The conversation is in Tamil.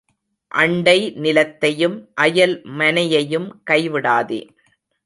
அண்டை நிலத்தையும் அயல் மனையையும் கை விடாதே.